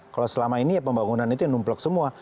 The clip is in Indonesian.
kalau selama ini pembangunan itu numplok semua